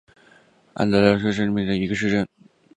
安德拉德上尉镇是巴西米纳斯吉拉斯州的一个市镇。